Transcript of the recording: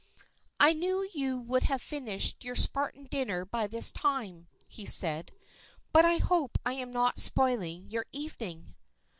"I knew you would have finished your Spartan dinner by this time," he said, "but I hope I am not spoiling your evening."